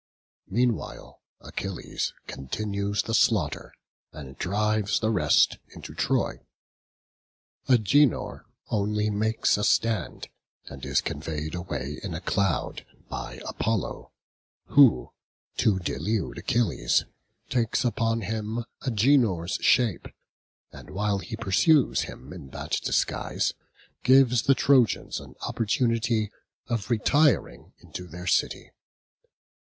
Meanwhile Achilles continues the slaughter, and drives the rest into Troy; Agenor only makes a stand, and is conveyed away in a cloud by Apollo: who (to delude Achilles) takes upon him Agenor's shape, and while he pursues him in that disguise, gives the Trojans an opportunity of retiring into their city.